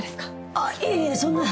あっいえいえそんな！